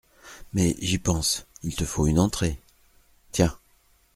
Mais, j’y pense, il te faut une entrée ; tiens…